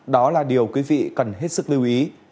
đó là điều quý vị cần hết sức lưu ý